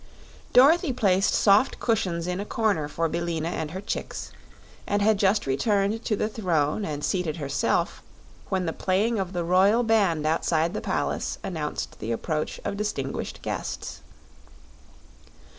Dorothy placed soft cushions in a corner for Billina and her chicks, and had just returned to the Throne and seated herself when the playing of the royal band outside the palace announced the approach of distinguished guests.